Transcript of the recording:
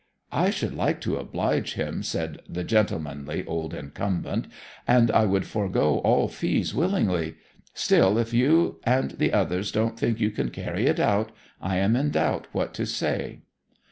'I should like to oblige him,' said the gentlemanly old incumbent. 'And I would forego all fees willingly. Still, if you and the others don't think you can carry it out, I am in doubt what to say.'